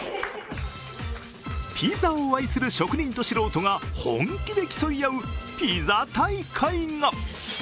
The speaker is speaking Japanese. ピザを愛する職人と素人が本気で競い合う、ピザ大会が。